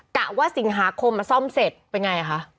บอกว่าสิงหาคมมาสร้องเสร็จแบบยังไงนะคะ